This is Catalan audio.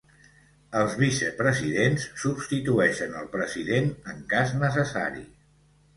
Els vicepresidents substitueixen el president en cas necessari.